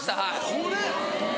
これ？